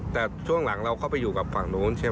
แต่ช่วงหลังเราเข้าไปอยู่กับฝั่งนู้นใช่ไหม